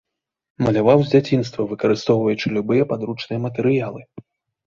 Маляваў з дзяцінства, выкарыстоўваючы любыя падручныя матэрыялы.